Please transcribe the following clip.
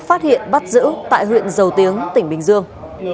phát hiện bắt giữ tại huyện dầu tiếng tỉnh bình dương